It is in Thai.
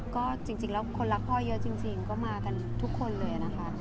ก็จริงแล้วคนรักพ่อเยอะจริงก็มากันทุกคนเลยนะคะ